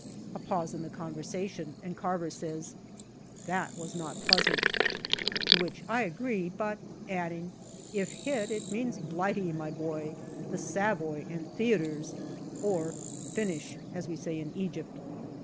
A pause in the conversa tion, and Carver says, " That was not pleasant/' to which I agree, but adding, " If hit, it means Blighty, my boy, the Savoy, and theatres, or ' Finish/ as we say in Egypt."